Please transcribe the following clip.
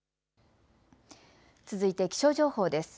続いて気象情報です。